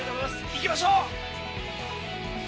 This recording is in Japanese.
行きましょう！